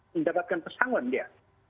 mendapatkan persangon dia